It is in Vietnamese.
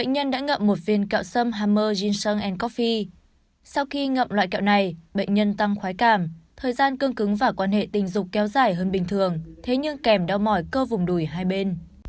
thời gian cưng cứng và quan hệ tình dục kéo dài hơn bình thường thế nhưng kèm đau mỏi cơ vùng đùi hai bên